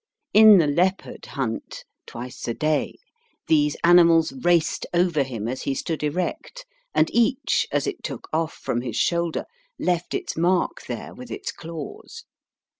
In the * leopard hunt (twice a day) these animals raced over him as he stood erect, and each, as it took off from his shoulder, left its mark there with its claws.